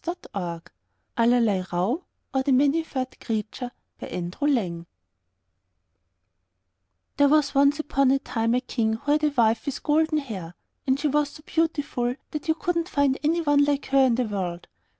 ALLERLEIRAUH; OR, THE MANY FURRED CREATURE There was once upon a time a King who had a wife with golden hair, and she was so beautiful that you couldn't find anyone like her in the world.